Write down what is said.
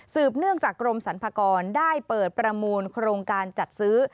เนื่องจากกรมสรรพากรได้เปิดประมูลโครงการจัดซื้อ